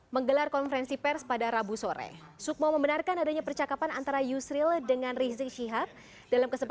dengan mengatasnamakan saya